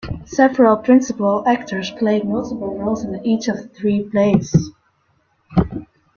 Several principal actors played multiple roles in each of the three plays.